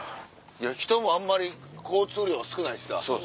人もあんまり交通量少ないしさ。